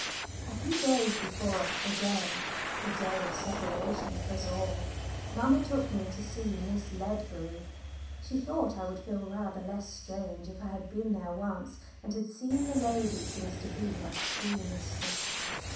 A few days before the day the day of separation for us all mamma took me to see Miss Ledbury. She thought I would feel rather less strange if I had been there once, and had seen the lady who was to be my school mistress.